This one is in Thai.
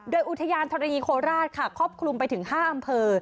โดยอุทยานธรณีโคราชค่ะครอบคลุมไปถึง๕อำเภอ